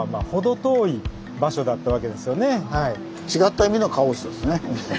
違った意味のカオスですね。